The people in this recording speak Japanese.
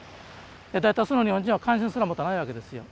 大多数の日本人は関心すら持たないわけですよ。